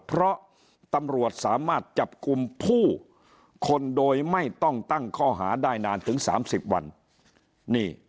เพราะตำรวจสามารถจับกลุ่มผู้คนโดยไม่ต้องตั้งข้อหาได้นานถึง๓๐วัน